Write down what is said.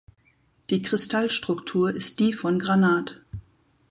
Die Kristallstruktur ist die von Granat.